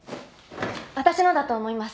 私のだと思います。